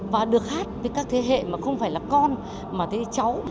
và được hát với các thế hệ mà không phải là con mà thấy cháu